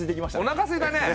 おなかすいたね。